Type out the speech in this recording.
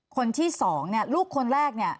คนที่สองเนี่ยลูกคนแรกเนี่ย